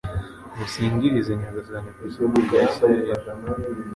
musingirize Nyagasani ku isoko ya Israheli